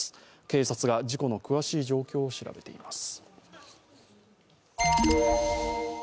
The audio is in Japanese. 警察が事故の詳しい状況を調べています。